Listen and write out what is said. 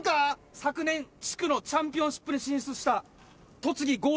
昨年地区のチャンピオンシップに進出した。